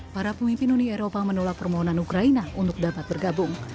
para pemimpin uni eropa menolak permohonan ukraina untuk dapat bergabung